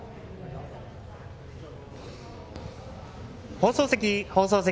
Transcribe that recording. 放送席、放送席。